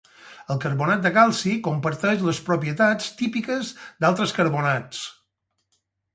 El carbonat de calci comparteix les propietats típiques d'altres carbonats.